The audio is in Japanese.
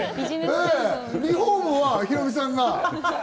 リフォームはヒロミさんが。